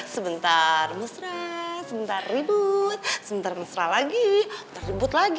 sebentar musrah sebentar ribut sebentar mesra lagi ntar ribut lagi